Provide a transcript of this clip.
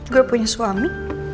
gue punya suami